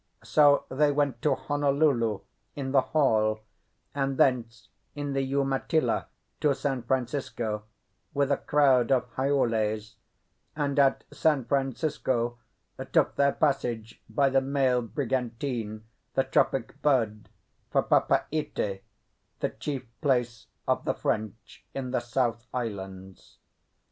So they went to Honolulu in the Hall, and thence in the Umatilla to San Francisco with a crowd of Haoles, and at San Francisco took their passage by the mail brigantine, the Tropic Bird, for Papeete, the chief place of the French in the south islands.